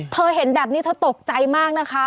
เธอเห็นแบบนี้เธอตกใจมากนะคะ